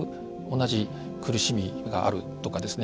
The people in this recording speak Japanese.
同じ苦しみがあるとかですね